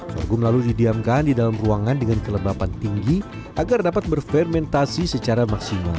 sorghum lalu didiamkan di dalam ruangan dengan kelembapan tinggi agar dapat berfermentasi secara maksimal